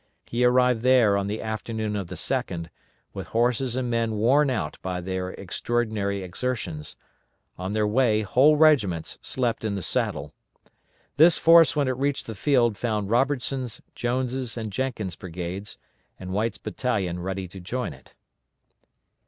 He arrived there on the afternoon of the 2d, with horses and men worn out by their extraordinary exertions; on their way whole regiments slept in the saddle. This force when it reached the field found Robertson's, Jones', and Jenkins' brigades, and White's battalion ready to join it.